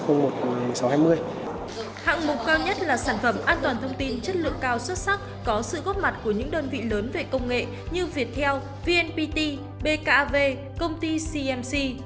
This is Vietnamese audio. hạng mục cao nhất là sản phẩm an toàn thông tin chất lượng cao xuất sắc có sự góp mặt của những đơn vị lớn về công nghệ như viettel vnpt bkav công ty cmc